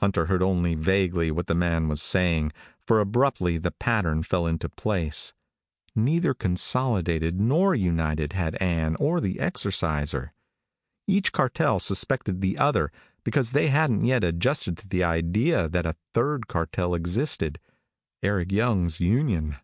Hunter heard only vaguely what the man was saying, for abruptly the pattern fell into place. Neither Consolidated nor United had Ann or the Exorciser. Each cartel suspected the other because they hadn't yet adjusted to the idea that a third cartel existed: Eric Young's union.